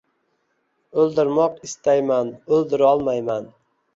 O’ldirmoq istayman, o’ldirolmayman.